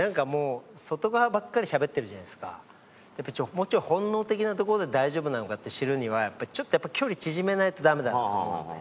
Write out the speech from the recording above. もうちょい本能的なところで大丈夫なのかって知るにはちょっとやっぱ距離縮めないとダメだなと思うので。